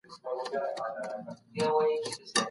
سپین سرې په خپل کبرجن تګ سره دښتې ته ووته.